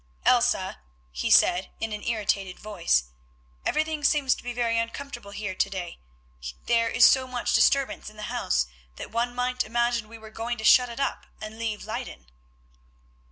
"Elsa," he said, in an irritated voice, "everything seems to be very uncomfortable here to day, there is so much disturbance in the house that one might imagine we were going to shut it up and leave Leyden."